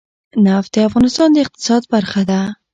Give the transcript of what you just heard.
نفت د افغانستان د اقتصاد برخه ده.